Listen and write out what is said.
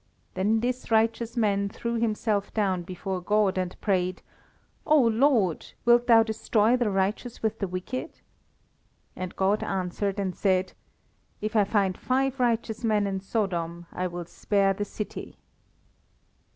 Then this righteous man threw himself down before God and prayed: 'O Lord! wilt thou destroy the righteous with the wicked?' And God answered and said: 'If I find five righteous men in Sodom, I will spare the city.'